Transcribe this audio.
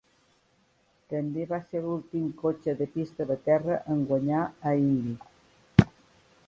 També va ser l'últim cotxe de pista de terra en guanyar a Indy.